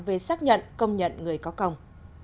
về xác nhận công nhận người có công